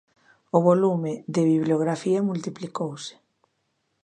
O volume de bibliografía multiplicouse.